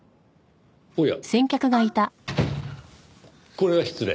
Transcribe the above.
これは失礼。